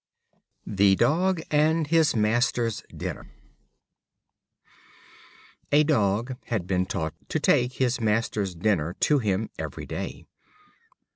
The Dog and his Master's Dinner. A Dog had been taught to take his master's dinner to him every day.